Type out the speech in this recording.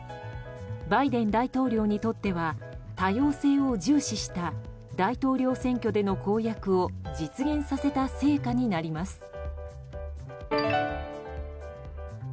バイデン大統領にとっては多様性を重視した大統領選挙での公約を実現させた成果になります。